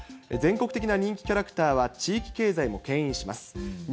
全国的な人気キャラクターは地域経済もけん引します。